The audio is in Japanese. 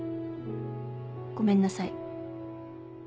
ごめんなさい。